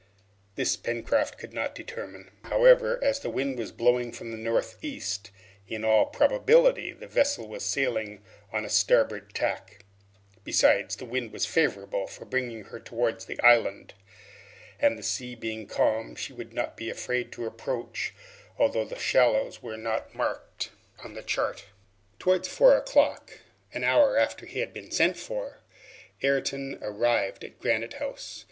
This Pencroft could not determine. However, as the wind was blowing from the northeast, in all probability the vessel was sailing on the starboard tack. Besides, the wind was favorable for bringing her towards the island, and, the sea being calm, she would not be afraid to approach although the shallows were not marked on the chart. Towards four o'clock an hour after he had been sent for Ayrton arrived at Granite House.